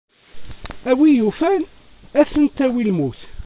Awi yufan ad ten-tawi lmut.